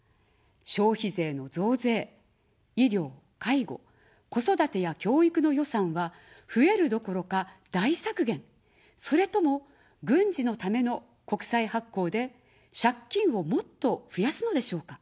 消費税の増税、医療、介護、子育てや教育の予算は増えるどころか、大削減、それとも、軍事のための国債発行で借金をもっと増やすのでしょうか。